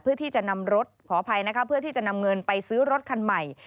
เพื่อที่จะนำรถขออภัยนะคะเพื่อที่จะนำเงินไปซื้อรถคันใหม่